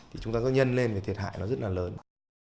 thì chúng ta có nhân lên về thiệt hại nó rất là lớn